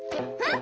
ん？